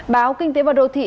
báo kinh tế và đô thị